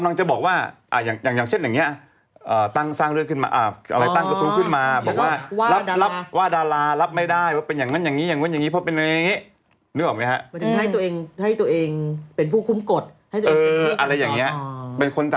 หนักสังคมมาก